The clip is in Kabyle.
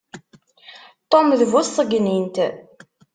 Tom d bu tṣegnint.